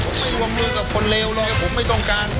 ผมไม่วงมือกับคนเลวเลยผมไม่ต้องการ